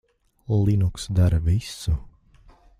Linux dara visu.